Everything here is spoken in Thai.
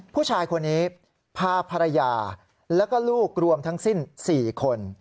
ผู้ชายคนนี้พาภรรยาแล้วก็ลูกรวมทั้งสิ้น๔คน